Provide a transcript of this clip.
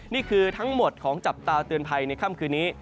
นี่คือทั้งหมดของจับตาเตือนภัยในค่ำคืนนี้